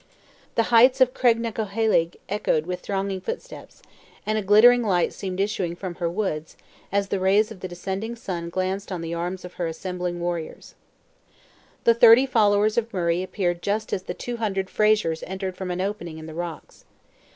The heights of Craignacoheilg echoed with thronging footsteps, and a glittering light seemed issuing from her woods, as the rays of the descending sun glanced on the arms of her assembling warriors. The thirty followers of Murray appeared just as the two hundred Frasers entered from an opening in the rocks.